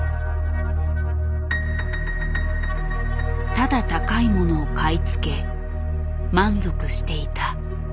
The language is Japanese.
ただ高いものを買い付け満足していた自分。